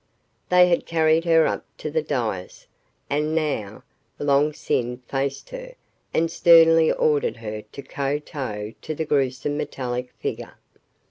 They had carried her up to the dais, and now Long Sin faced her and sternly ordered her to kowtow to the gruesome metallic figure.